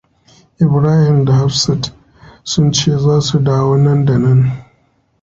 Ibrahim da Hafsat sun ce za su dawo nan da nan.